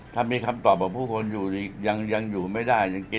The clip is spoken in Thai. ถ้ามีคำตอบว่าผู้คนอยู่ยังอยู่ไม่ได้